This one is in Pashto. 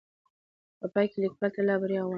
په پاى کې ليکوال ته لا بريا غواړم